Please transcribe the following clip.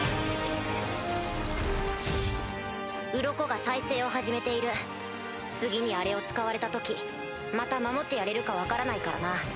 鱗が再生を始めている次にあれを使われた時また守ってやれるか分からないからな。